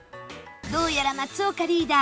どうやら松岡リーダー